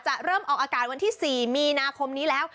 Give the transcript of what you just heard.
เริ่มออกอากาศวันที่๔มีนาคมนี้แล้ว